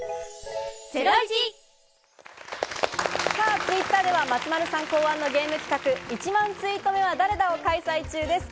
Ｔｗｉｔｔｅｒでは松丸さん考案のゲーム企画「１万ツイート目は誰だ！？」を開催中です。